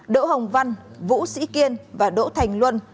đỗ hồng văn vũ sĩ kiên và đỗ thành luân